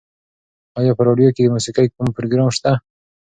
ایا په راډیو کې د موسیقۍ کوم پروګرام شته؟